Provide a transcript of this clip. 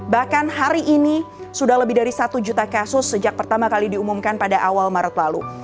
bahkan hari ini sudah lebih dari satu juta kasus sejak pertama kali diumumkan pada awal maret lalu